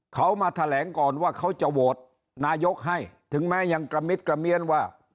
เขามาแถลงก่อนว่าเขาจะโหวตนายกให้ถึงแม้ยังกระมิดกระเมียนว่า